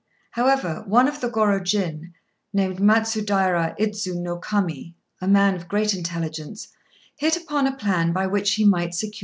However, one of the Gorôjin, named Matsudaira Idzu no Kami, a man of great intelligence, hit upon a plan by which he might secure this end.